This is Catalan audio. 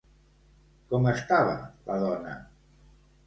Com estava la dona?